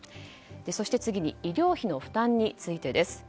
そして次に医療費の負担についてです。